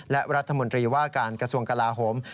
และรัฐมนตรีว่าการกระทรวงกลาโหม